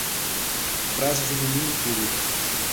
Frases de domínio público